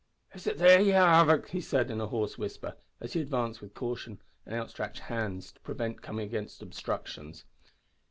"Is it there ye are, avic?" he said, in a hoarse whisper, as he advanced with caution and outstretched hands to prevent coming against obstructions.